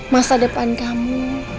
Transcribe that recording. masa depan kamu